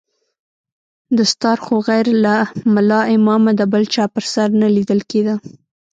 دستار خو غير له ملا امامه د بل چا پر سر نه ليدل کېده.